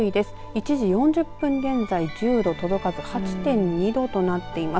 １時４０分現在１０度届かず８．２度となっています。